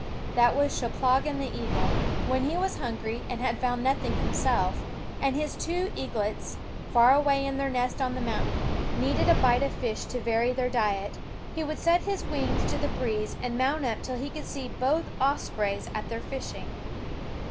That was Cheplahgan the eagle. When he was hungry and had found nothing himself, and his two eaglets, far away in their nest on the mountain, needed a bite of fish to vary their diet, he would set his wings to the breeze and mount up till he could see both ospreys at their fishing.